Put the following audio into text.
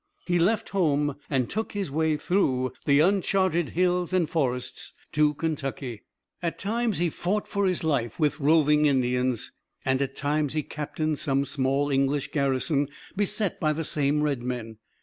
He left home and took his way through the uncharted hills and forests to Kentucky. At times he fought for his life with roving Indians, and at times he captained some small English garrison beset by the same red men.